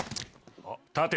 立て！